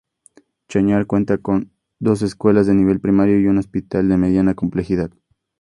Chañar cuenta con dos escuelas de nivel primario y un hospital de mediana complejidad.